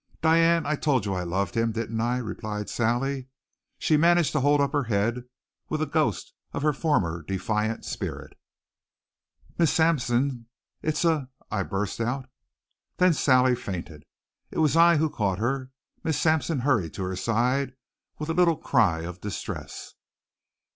"Diane, I told you I loved him didn't I?" replied Sally. She managed to hold up her head with a ghost of her former defiant spirit. "Miss Sampson, it's a " I burst out. Then Sally fainted. It was I who caught her. Miss Sampson hurried to her side with a little cry of distress.